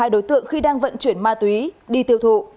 hai đối tượng khi đang vận chuyển ma túy đi tiêu thụ